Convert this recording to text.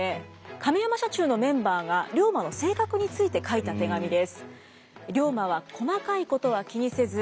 亀山社中のメンバーが龍馬の性格について書いた手紙です。